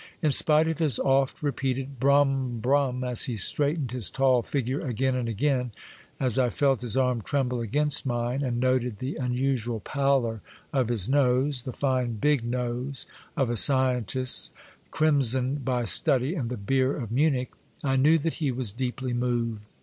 In spite of his oft repeated " brum, brum," as he straightened his tall figure again and again, as I felt his arm tremble figalnst mine, and noted the unusual pallor of his nose, the fine, big nose of a scientist, crimsoned by study and the beer of Munich, I knew that he was deeply moved.